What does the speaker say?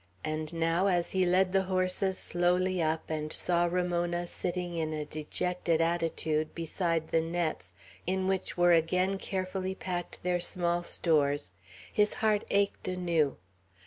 And now, as he led the horses slowly up, and saw Ramona sitting in a dejected attitude beside the nets in which were again carefully packed their small stores, his heart ached anew.